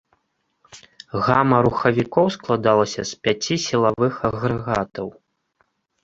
Гама рухавікоў складалася з пяці сілавых агрэгатаў.